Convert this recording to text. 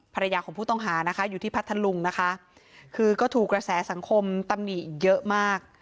ภรรยาของผู้ต้องหานะคะอยู่ที่พัทธลุงนะคะคือก็ถูกกระแสสังคมตำหนิเยอะมาก